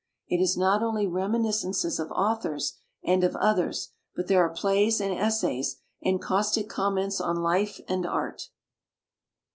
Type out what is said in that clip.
It is not only reminiscences of authors and of others; but there are plays and es says, and caustic comments on life and art.